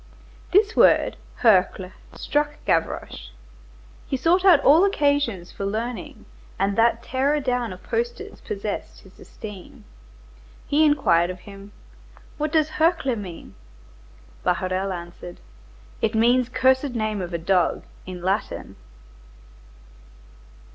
This word, Hercle, struck Gavroche. He sought all occasions for learning, and that tearer down of posters possessed his esteem. He inquired of him:— "What does Hercle mean?" Bahorel answered:— "It means cursed name of a dog, in Latin."